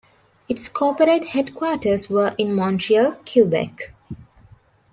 Its corporate headquarters were in Montreal, Quebec.